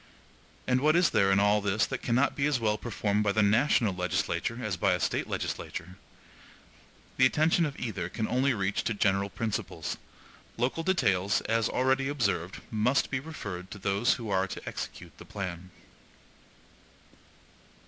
And what is there in all this that cannot as well be performed by the national legislature as by a State legislature? The attention of either can only reach to general principles; local details, as already observed, must be referred to those who are to execute the plan.